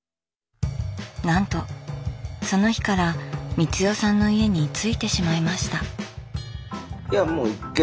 なんとその日から光代さんの家に居ついてしまいました。